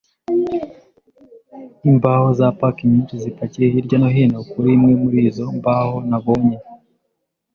imbaho za paki nyinshi-zipakiye hirya no hino. Kuri imwe muri izo mbaho nabonye,